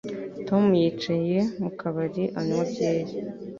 Tom yicaye mu kabari anywa byeri